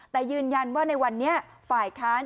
แต่ยืนยันว่าในวันนี้ฝ่ายค้าน